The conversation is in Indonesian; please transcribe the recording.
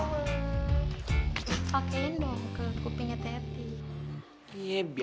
oh iya kita satu goblengan eik heavier